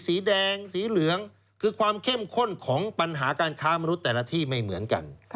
สีแดงสีเหลืองคือความเข้มข้นของปัญหาการค้ามนุษย์แต่ละที่ไม่เหมือนกัน